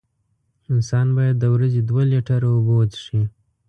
انسان باید د ورځې دوه لېټره اوبه وڅیښي.